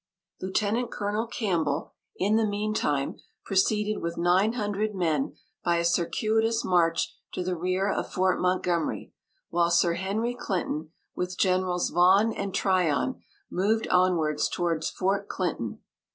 Lieut. Col. Campbell, in the mean time, proceeded with nine hundred men by a circuitous march to the rear of Fort Montgomery; while Sir Henry Clinton, with Generals Vaughan and Tryon, moved onwards towards Fort Clinton.